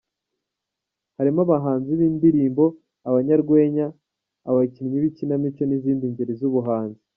Harimo abahanzi b’indirimbo, abanyarwenya, abakinnyi b’ikinamico n’izindi ngeri z’ubuhanzi.